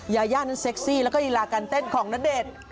ยาย่านั้นเซ็กซี่แล้วก็ลีลาการเต้นของณเดชน์